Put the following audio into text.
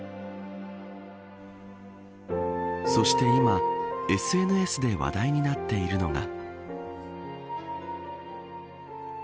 そして今、ＳＮＳで話題になっているのが。